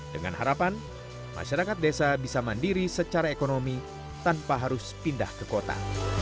dengan harapan masyarakat desa bisa mandiri secara ekonomi tanpa harus pindah ke kota